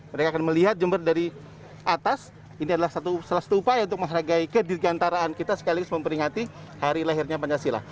mereka akan melihat jember dari atas ini adalah salah satu upaya untuk menghargai kedirgantaraan kita sekaligus memperingati hari lahirnya pancasila